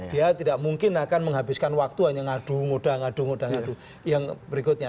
dia tidak mungkin akan menghabiskan waktu hanya ngadu ngoda ngoda ngoda yang berikutnya